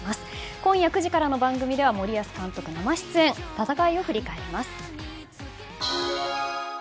今夜９時からの番組では森保監督生出演戦いを振り返ります。